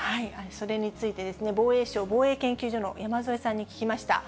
それについてですね、防衛省防衛研究所の山添さんに聞きました。